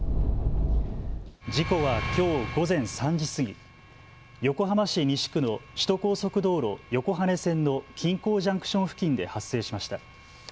事故はきょう午前３時過ぎ、横浜市西区の首都高速道路横羽線の金港ジャンクション付近で発生しました。